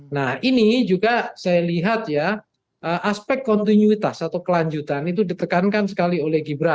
nah ini juga saya lihat ya aspek kontinuitas atau kelanjutan itu ditekankan sekali oleh gibran